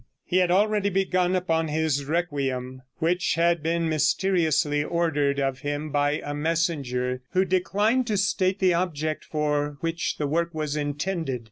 He had already begun upon his "Requiem," which had been mysteriously ordered of him by a messenger, who declined to state the object for which the work was intended.